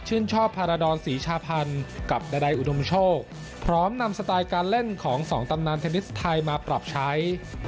ชอบพาราดรศรีชาพันธ์กับดาดัยอุดมโชคพร้อมนำสไตล์การเล่นของสองตำนานเทนนิสไทยมาปรับใช้